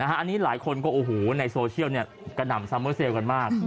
อันนี้หลายคนค่อยในโซเชียลกะหน่ำทรัมเมอร์เซลกันมาก